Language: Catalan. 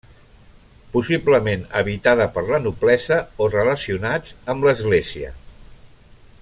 Possiblement habitada per la noblesa o relacionats amb l'església.